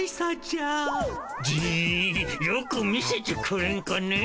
よく見せてくれんかね。